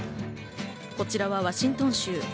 こちらはワシントン州。